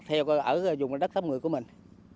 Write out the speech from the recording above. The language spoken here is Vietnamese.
theo dùng đất tháp một mươi của mình